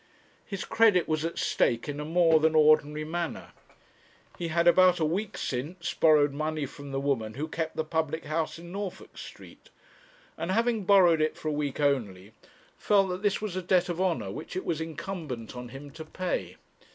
His credit was at stake in a more than ordinary manner; he had about a week since borrowed money from the woman who kept the public house in Norfolk Street, and having borrowed it for a week only, felt that this was a debt of honour which it was incumbent on him to pay.